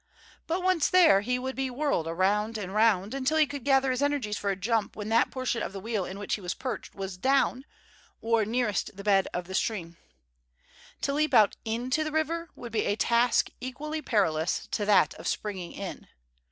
But, once there, he would be whirled round and round until he could gather his energies for a jump when that portion of the wheel in which he was perched was down, or nearest the bed of the stream. To leap out into the river would be a task equally perilous to that of springing in.